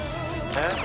えっ⁉